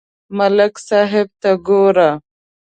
ملک صاحب ته گوره